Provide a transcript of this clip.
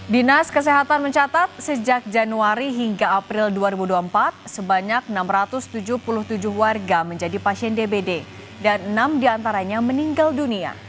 dinas kesehatan mencatat sejak januari hingga april dua ribu dua puluh empat sebanyak enam ratus tujuh puluh tujuh warga menjadi pasien dbd dan enam diantaranya meninggal dunia